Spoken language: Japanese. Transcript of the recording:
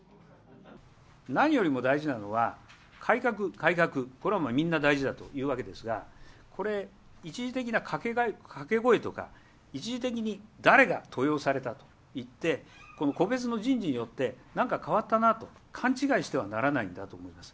何よりも大事なのは、改革、改革、これはみんな大事だというわけですが、これ、一時的なかけ声とか、一時的に誰が登用されたといって、個別の人事によって、なんか変わったなと、勘違いしてはならないんだと思います。